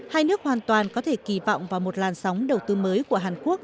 hai nước hoàn toàn có thể kỳ vọng vào một làn sóng đầu tư mới của hàn quốc